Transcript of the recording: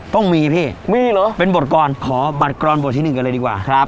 ต้องมีพี่เป็นบทกรณ์ขอบัตกรณ์ประชิภอนึงกันเลยดีกว่าครับ